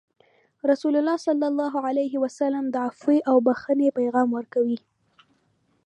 رسول الله صلى الله عليه وسلم د عفوې او بخښنې پیغام ورکوه.